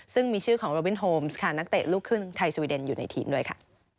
ซึ่งมีชื่อของโรวินโฮมส์ค่ะนักเตะลูกครึ่งไทยสวีเดนอยู่ในทีมด้วยค่ะ